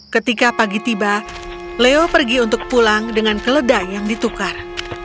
ketika pagi tiba leo pergi untuk pulang dengan keledai yang ditukar